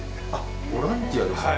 ボランティアですか。